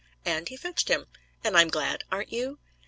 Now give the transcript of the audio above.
And he fetched him. And I'm glad, aren't you?